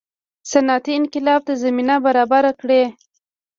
صنعتي انقلاب ته زمینه برابره کړي.